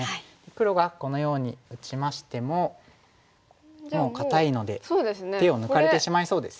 黒がこのように打ちましてももう堅いので手を抜かれてしまいそうですね。